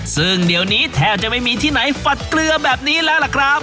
ซึ่งเดี๋ยวนี้แทบจะไม่มีที่ไหนฝัดเกลือแบบนี้แล้วล่ะครับ